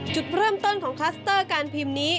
จุดเริ่มต้นของคลัสเตอร์การพิมพ์นี้